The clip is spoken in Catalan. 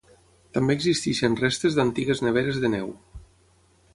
També existeixen restes d'antigues neveres de neu.